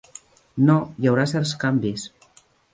No, hi haurà certs canvis.